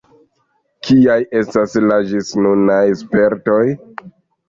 Kiaj estas la ĝisnunaj spertoj?